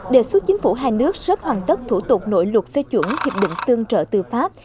đề xuất chính phủ hai nước sớm hoàn tất thủ tục nội luật phê chuẩn hiệp định tương trợ tư pháp